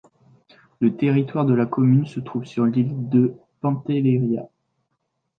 Le territoire de la commune se trouve sur l'île de Pantelleria.